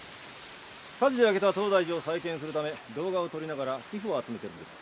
火事で焼けた東大寺を再建するため動画を撮りながら寄付を集めてるんです。